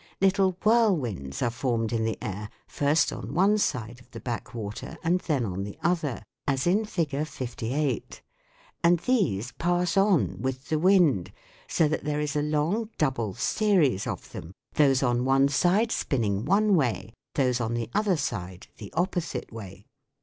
Little whirlwinds are formed in the air, first on one side of the backwater and then on the other, as in Fig. 58 ; and these pass on with the wind, so that there is a long double series of them, those on one side spinning one way, those on the other side the opposite way.